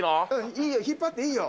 いいよ、引っ張っていいよ。